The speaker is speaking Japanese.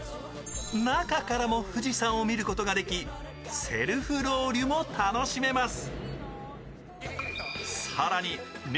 中からも富士山を見ることができセルフロウリュも楽しめます。